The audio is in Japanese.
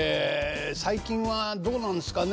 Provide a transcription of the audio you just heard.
最近はどうなんですかね？